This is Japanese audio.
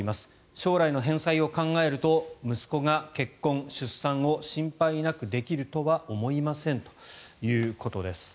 将来の返済を考えると息子が結婚・出産を心配なくできるとは思えませんということです。